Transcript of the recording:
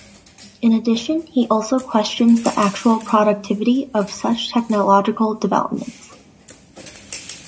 In addition, he also questions the actual productivity of such technological developments.